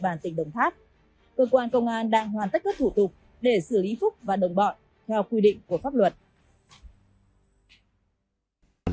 cơ quan công an đang hoàn tất cất thủ tục để xử lý phúc và đồng bọn theo quy định của pháp luật